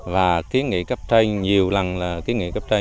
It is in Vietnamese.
và kiến nghị cấp tranh nhiều lần là kiến nghị cấp tranh